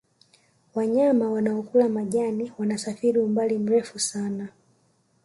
wanyama wanaokula majani wanasafiri umbali mrefu sana